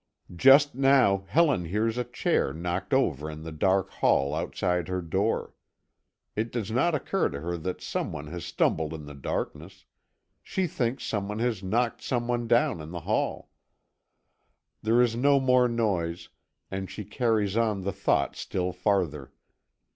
Just now, Helen hears a chair knocked over in the dark hall outside her door. It does not occur to her that someone has stumbled in the darkness; she thinks someone has knocked someone down in the hall. There is no more noise, and she carries on the thought still farther.